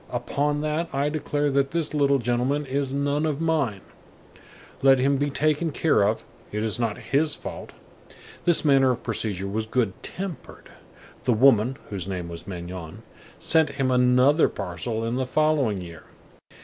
Upon that I declare that this little gentleman is none of mine. Let him be taken care of. It is not his fault." This manner of procedure was good tempered. The woman, whose name was Magnon, sent him another parcel in the following year.